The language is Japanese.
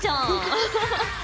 アハハッ。